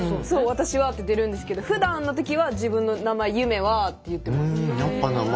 「わたしは」って出るんですけどふだんの時は自分の名前「ゆめは」って言ってます。